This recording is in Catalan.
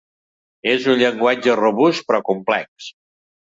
És un llenguatge robust però complex.